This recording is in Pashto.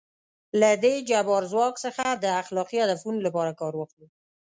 له دې جبار ځواک څخه د اخلاقي هدفونو لپاره کار واخلو.